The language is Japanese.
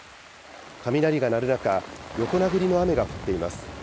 雷が鳴る中、横殴りの雨が降っています。